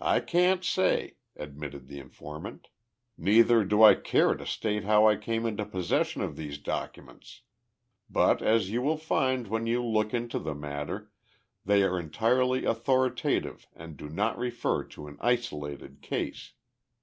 "I can't say," admitted the informant. "Neither do I care to state how I came into possession of these documents. But, as you will find when you look into the matter, they are entirely authoritative and do not refer to an isolated case.